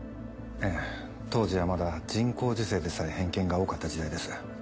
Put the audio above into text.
ええ当時はまだ人工授精でさえ偏見が多かった時代です。